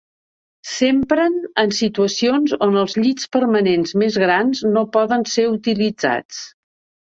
S'empren en situacions on els llits permanents més grans no poden ser utilitzats.